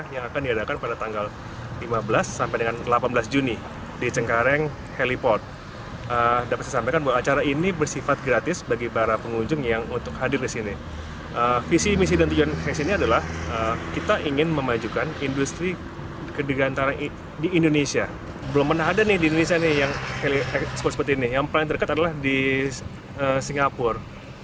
yang paling dekat adalah di singapura